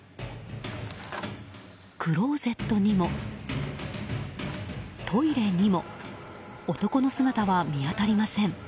クローゼットにもトイレにも男の姿は見当たりません。